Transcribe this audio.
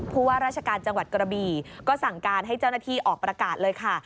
ว่าราชการจังหวัดกระบี่ก็สั่งการให้เจ้าหน้าที่ออกประกาศเลยค่ะ